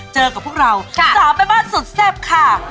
เจอกับพวกเรา๓แม่บ้านสุดแซ่บค่ะ